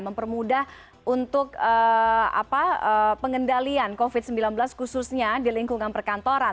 mempermudah untuk pengendalian covid sembilan belas khususnya di lingkungan perkantoran